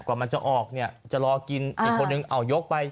กว่ามันจะออกเนี่ยจะรอกินอีกคนนึงเอายกไป